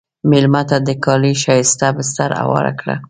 مېلمه ته د کالي ښایسته بستر هوار کړه.